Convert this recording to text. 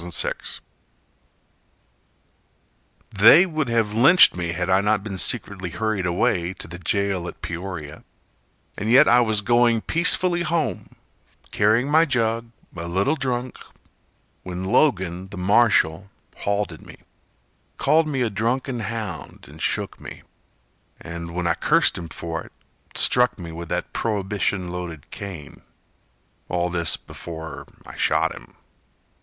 Jack McGuire They would have lynched me Had I not been secretly hurried away To the jail at Peoria. And yet I was going peacefully home, Carrying my jug, a little drunk, When Logan, the marshal, halted me Called me a drunken hound and shook me And, when I cursed him for it, struck me With that Prohibition loaded cane— All this before I shot him.